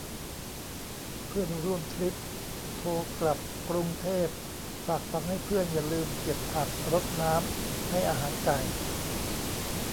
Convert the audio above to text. เพื่อนร่วมทริป โทรกลับกรุงเทพ ฝากฝังให้เพื่อนอย่าลืมเก็บผัก รดน้ำ ให้อาหารไก่